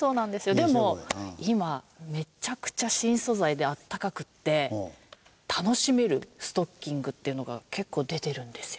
でも今めちゃくちゃ新素材で温かくって楽しめるストッキングっていうのが結構出てるんですよ。